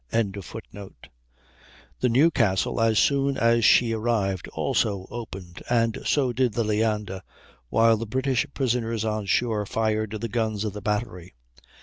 ] The Newcastle, as soon as she arrived, also opened, and so did the Leander, while the British prisoners on shore fired the guns of the battery.